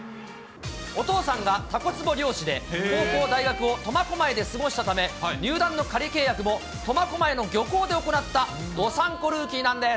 お父さんがタコつぼ漁師で、高校、大学を苫小牧で過ごしたため、入団の仮契約も、苫小牧の漁港で行ったどさん子ルーキーなんです。